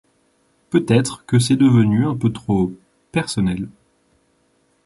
Peut-être que c’est devenu un peu trop… personnel.